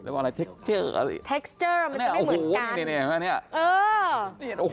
มันจะไม่เหมือนกัน